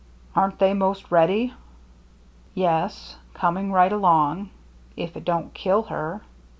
" Aren't they 'most ready ?"" Yes — coming right along — if it don't kill her."